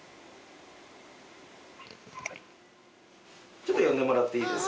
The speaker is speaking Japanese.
ちょっと呼んでもらっていいです？